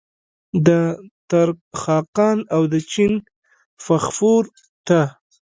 د ترک خاقان او د چین فغفور ته.